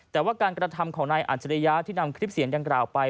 แต่ว่าการกระทำของนายอัจฉริยะที่นำคลิปเสียงดังกล่าวไป